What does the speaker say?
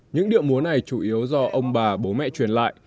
những điệu múa này chủ yếu do ông bà bố mẹ truyền lại